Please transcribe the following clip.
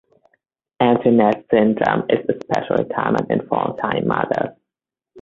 Empty nest syndrome is especially common in full-time mothers.